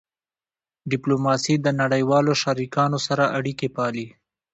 ډیپلوماسي د نړیوالو شریکانو سره اړیکې پالي.